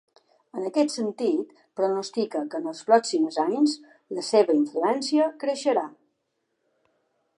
En aquest sentit, pronostica que en els pròxims anys la seva influència creixerà.